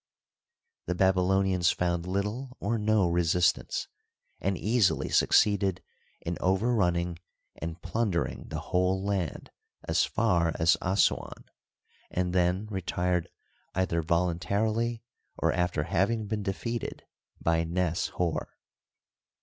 The Babyloni ans found little or no resistance, and easily succeeded in overrunning and plundering the whole land as far as As suan, and then retired either voluntarily or after having been defeated by Nes Hor.